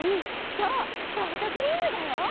そうソフトクリームだよ！